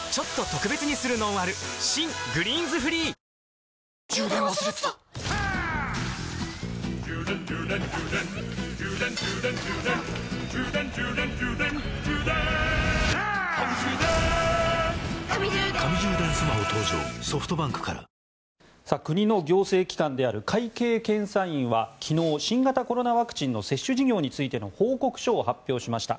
新「グリーンズフリー」国の行政機関である会計検査院は昨日、新型コロナワクチンの接種事業についての報告書を発表しました。